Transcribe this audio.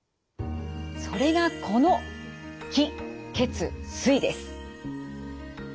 それがこの気・血・水です。